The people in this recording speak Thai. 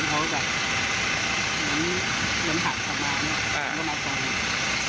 เพราะตอนนี้